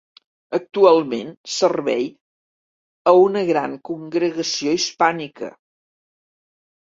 Actualment servei a una gran congregació hispànica.